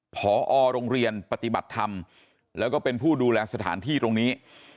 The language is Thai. พอโรงเรียนปฏิบัติธรรมแล้วก็เป็นผู้ดูแลสถานที่ตรงนี้